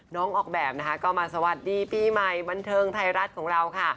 ออกแบบนะคะก็มาสวัสดีปีใหม่บันเทิงไทยรัฐของเราค่ะ